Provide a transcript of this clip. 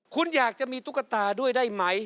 คุณอยากจะมีตุ๊กตาด้วยได้ไหม